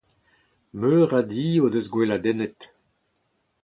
Meur a di o deus gweladennet.